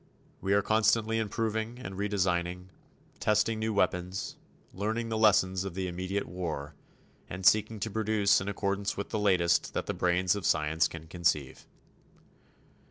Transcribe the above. We are constantly improving and redesigning, testing new weapons, learning the lessons of the immediate war, and seeking to produce in accordance with the latest that the brains of science can conceive.